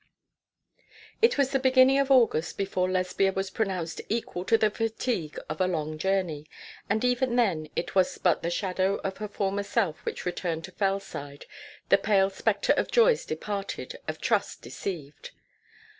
It was the beginning of August before Lesbia was pronounced equal to the fatigue of a long journey; and even then it was but the shadow of her former self which returned to Fellside, the pale spectre of joys departed, of trust deceived.